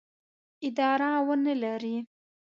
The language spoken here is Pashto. اداره ونه لري.